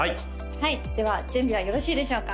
はいでは準備はよろしいでしょうか？